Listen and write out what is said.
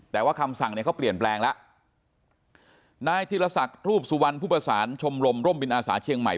แต่ว่าคำสั่งเนี่ยเขาเปลี่ยนแปลงแล้วนายธีรศักดิ์ทูบสุวรรณผู้ประสานชมรมร่มบินอาสาเชียงใหม่